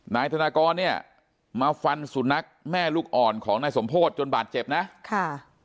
นายธนากรเนี่ยมาฟันสุนัขแม่ลูกอ่อนของนายสมโพธิจนบาดเจ็บนะค่ะ